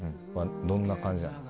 どんな感じなの？